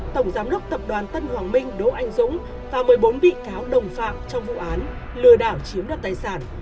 tổng giám đốc tập đoàn tân hoàng minh đỗ anh dũng và một mươi bốn bị cáo đồng phạm trong vụ án lừa đảo chiếm đoạt tài sản